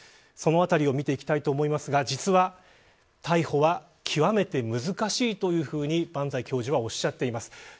そのあたりを見ていきたいと思いますが実は、逮捕は極めて難しいと萬歳教授はおっしゃっています。